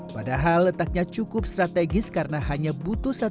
padahal letaknya cukup strategis karena hanya butuh satu